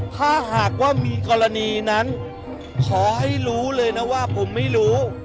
ถ้าหากว่ามีกรณีนั้นขอให้รู้เลยนะว่าผมไม่รู้